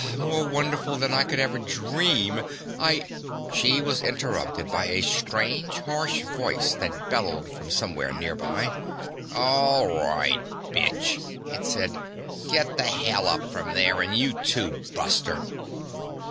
More wonderful than I could ever dream. I " She was interrupted by a strange, harsh voice that bellowed from somewhere nearby. "All right, bitch!" it said. "Get the hell up from there! And you too, buster!"